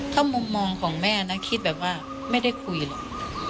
ถ้ามุมมองของแม่นะคิดแบบว่าไม่ได้คุยหรอก